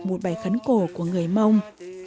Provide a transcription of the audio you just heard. một bài khấn cổ của người mông